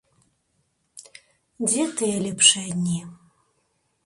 Дзе тыя лепшыя дні?